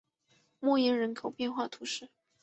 默耶人口变化图示